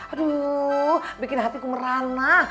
aduh bikin hatiku meranah